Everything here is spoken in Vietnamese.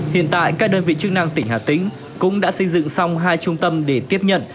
hiện tại các đơn vị chức năng tỉnh hà tĩnh cũng đã xây dựng xong hai trung tâm để tiếp nhận